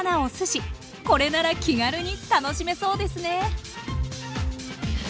これなら気軽に楽しめそうですね